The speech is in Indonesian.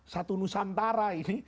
satu nusantara ini